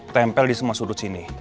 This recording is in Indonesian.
tempel di semua sudut sini